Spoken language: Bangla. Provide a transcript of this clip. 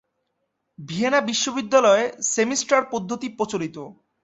ভিয়েনা বিশ্ববিদ্যালয়ে সেমিস্টার পদ্ধতি প্রচলিত।